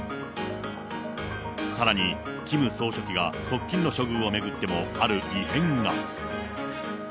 さらにキム総書記が側近の処遇を巡っても、ある異変が。